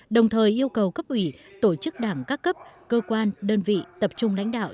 đồng thời yêu cầu cấp ủy tổ chức đảng các cấp cơ quan đơn vị tập trung lãnh đạo